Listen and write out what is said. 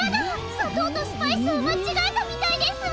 さとうとスパイスをまちがえたみたいですわ！